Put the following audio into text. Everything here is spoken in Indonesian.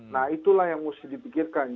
nah itulah yang mesti dipikirkan